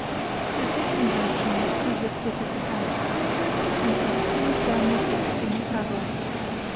With this injunction Caesar quitted the house, and he was soon firmly fixed in the saddle.